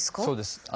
そうです。